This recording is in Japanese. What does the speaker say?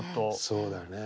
そうだね。